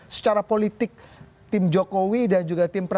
secara politik tim jokowi dan juga tim prabowo